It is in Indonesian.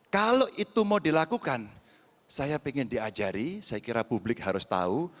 kalau itu mau dilakukan saya ingin diajari saya kira publik harus tahu